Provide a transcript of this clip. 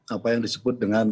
apa yang disebut dengan